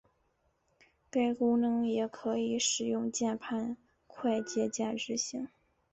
该功能也可以使用键盘快捷键执行。